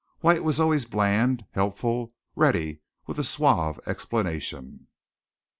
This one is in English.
White was always bland, helpful, ready with a suave explanation.